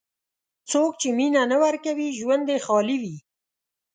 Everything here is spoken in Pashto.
څوک چې مینه نه ورکوي، ژوند یې خالي وي.